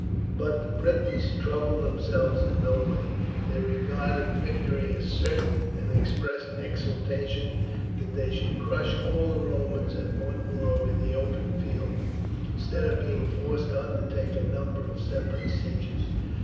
But the Britons troubled themselves in no way. They regarded victory as certain, and expressed exultation that they should crush all the Romans at one blow in the open field, instead of being forced to undertake a number of separate sieges.